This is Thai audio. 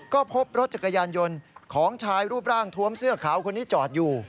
ก็พบรถจักรยานยนต์ของชายรูปร่างทวมเสื้อขาวคนนี้จอดอยู่